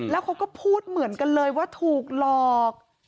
แล้วเขาก็พูดเหมือนกันเลยว่าถูกหลอก